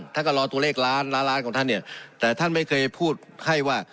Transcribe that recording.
ท่านก็รอตัวเลขล้านล้านของท่านเนี่ยแต่ท่านไม่เคยพูดให้ว่า